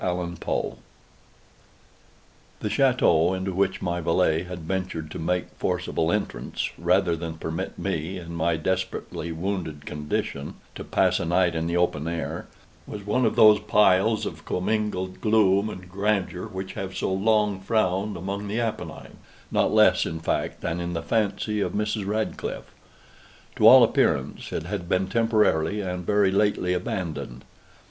THE OVAL PORTRAIT The château into which my valet had ventured to make forcible entrance, rather than permit me, in my desperately wounded condition, to pass a night in the open air, was one of those piles of commingled gloom and grandeur which have so long frowned among the Appennines, not less in fact than in the fancy of Mrs. Radcliffe. To all appearance it had been temporarily and very lately abandoned.